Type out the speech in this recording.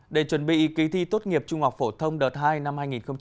để chuẩn bị kỳ thi tốt nghiệp trung học phổ thông đợt hai năm hai nghìn hai mươi